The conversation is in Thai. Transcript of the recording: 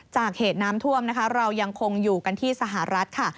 เหตุน้ำท่วมนะคะเรายังคงอยู่กันที่สหรัฐค่ะ